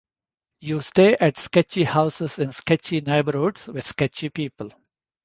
You stay at sketchy houses in sketchy neighborhoods with sketchy people.